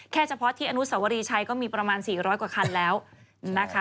เฉพาะที่อนุสวรีชัยก็มีประมาณ๔๐๐กว่าคันแล้วนะคะ